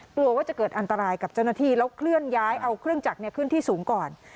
กลัวว่าจะเกิดอันตรายกับเจ้าหน้าที่แล้วเคลื่อนย้ายเอาเครื่องจักรขึ้นที่สูงก่อน